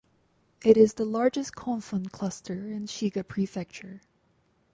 It is the largest "kofun" cluster in Shiga Prefecture.